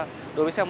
rượu uống xong